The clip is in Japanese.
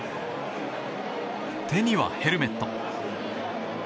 手にはヘルメット。